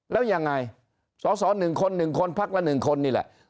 แล้วยังไงสอสอหนึ่งคนหนึ่งคนภักดิ์ละหนึ่งคนนี่แหละ